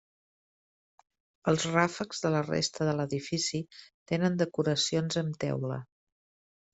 Els ràfecs de la resta de l'edifici tenen decoracions amb teula.